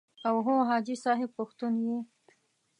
او هو حاجي صاحب پښتون یې.